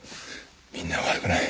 みんなは悪くない。